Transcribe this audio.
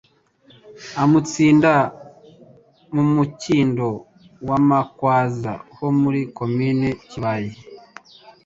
amutsinda mu Mukindo wa Makwaza ho muri Komini Kibayi